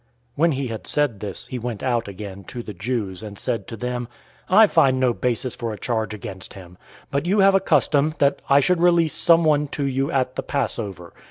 When he had said this, he went out again to the Jews, and said to them, "I find no basis for a charge against him. 018:039 But you have a custom, that I should release someone to you at the Passover.